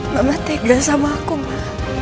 mama tinggal sama aku ma